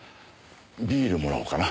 ビールもらおうかな。